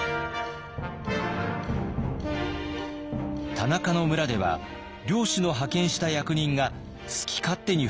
田中の村では領主の派遣した役人が好き勝手に振る舞っていました。